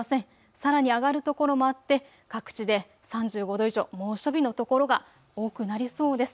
さらに上がる所もあって各地で３５度以上の猛暑日の所が多くなりそうです。